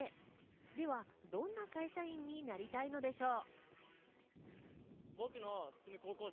では、どんな会社員になりたいのでしょう？